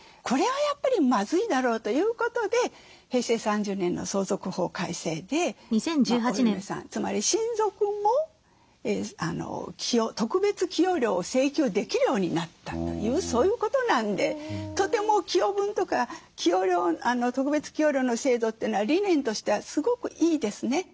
これはやっぱりまずいだろうということで平成３０年の相続法改正でお嫁さんつまり親族も特別寄与料を請求できるようになったというそういうことなんでとても寄与分とか特別寄与料の制度というのは理念としてはすごくいいですね。